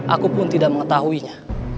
aku pun tidak mengetahuinya